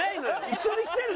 一緒に来てる？